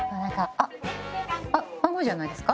あっ番号じゃないですか？